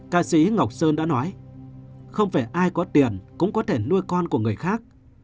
ca sĩ ngọc sơn đã nói không phải ai có tiền cũng có thể nuôi con của người khác